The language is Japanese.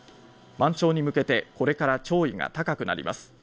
満潮に向けて、これから潮位が高くなります。